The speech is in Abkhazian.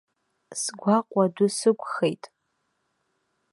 Сгәаҟуа адәы сықәхеит.